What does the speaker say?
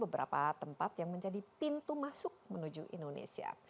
beberapa tempat yang menjadi pintu masuk menuju indonesia